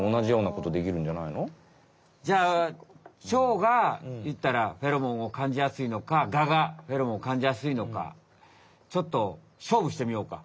オスメスでじゃあチョウがいったらフェロモンを感じやすいのかガがフェロモンを感じやすいのかちょっと勝負してみようか！